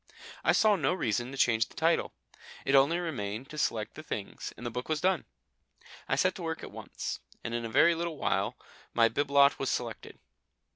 I saw no reason to change the title. It only remained to select the things, and the book was done. I set to work at once, and in a very little while my bibelot was selected.